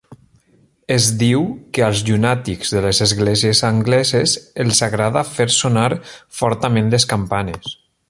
Es diu que als llunàtics de les esglésies angleses els agrada fer sonar fortament les campanes.